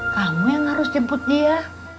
kamu yang harus jemput dia